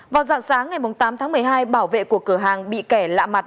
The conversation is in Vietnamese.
vào dạng sáng ngày tám tháng một mươi hai bảo vệ của cửa hàng bị kẻ lạ mặt